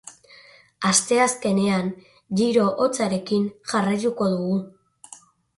Asteazkenean giro hotzarekin jarraituko dugu.